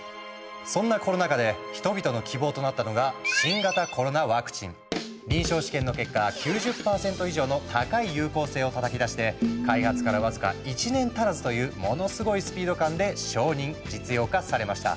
そんなコロナ禍で人々の希望となったのが臨床試験の結果９０％以上の高い有効性をたたき出して開発から僅か１年足らずというものスゴいスピード感で承認実用化されました。